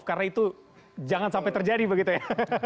karena itu jangan sampai terjadi begitu ya